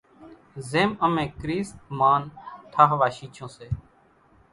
زيم امين ڪريست مانَ ٺاۿوا شيڇون سي،